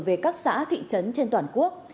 về các xã thị trấn trên toàn quốc